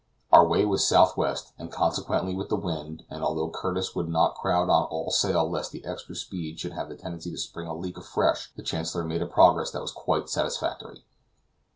Our way was southwest and consequently with the wind, and although Curtis would not crowd on all sail lest the extra speed should have a tendency to spring the leak afresh, the Chancellor made a progress that was quite satisfactory.